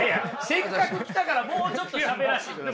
せっかく来たからもうちょっとしゃべらしてください。